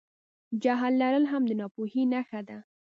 جهل لرل هم د ناپوهۍ نښه ده.